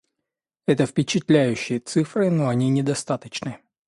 Это впечатляющие цифры, но они недостаточны.